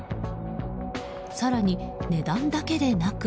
更に、値段だけでなく。